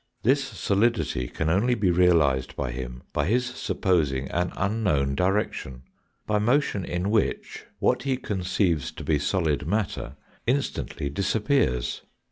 This solidity can only be realised by him by his supposing an unknown direction, by motion in which what he conceives to be solid matter instantly disappears.